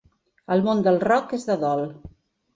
El món del rock és de dol.